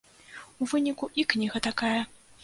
У выніку і кніга такая.